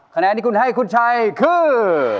คะแนนที่คุณให้คุณชัยคือ